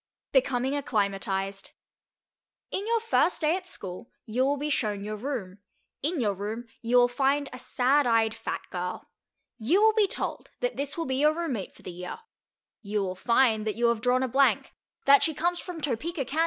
BECOMING ACCLIMATIZED In your first day at school you will be shown your room; in your room you will find a sad eyed fat girl. You will be told that this will be your room mate for the year. You will find that you have drawn a blank, that she comes from Topeka, Kan.